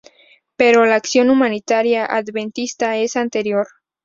Pero la acción humanitaria adventista es anterior.